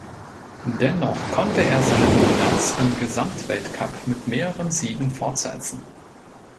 Dennoch konnte er seine Dominanz im Gesamtweltcup mit mehreren Siegen fortsetzen.